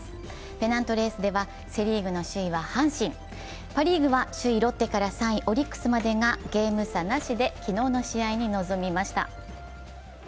ペナントレースではセ・リーグの首位は阪神、パ・リーグは首位ロッテから３位オリックスまでがゲーム差なしで昨日の試合に臨みました。